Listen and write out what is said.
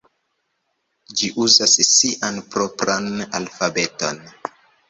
Ĝi uzas sian propran alfabeton.